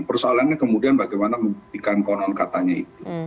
persoalannya kemudian bagaimana membuktikan konon katanya itu